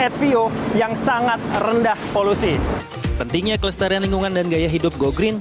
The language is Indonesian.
hbo yang sangat rendah polusi pentingnya kelestarian lingkungan dan gaya hidup gogreen